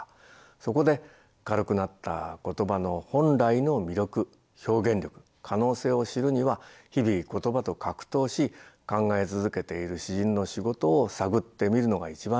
そこで軽くなった言葉の本来の魅力表現力可能性を知るには日々言葉と格闘し考え続けている詩人の仕事を探ってみるのが一番いい。